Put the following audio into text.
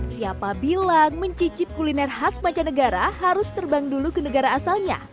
siapa bilang mencicip kuliner khas mancanegara harus terbang dulu ke negara asalnya